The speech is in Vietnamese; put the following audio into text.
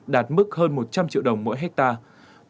đạt mức hơn một trăm linh triệu đồng mỗi hectare